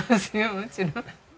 もちろん。